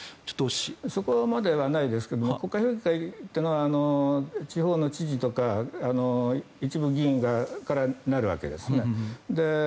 そこまではないですが国家評議会というのは地方の知事とか一部の議員からなるわけです。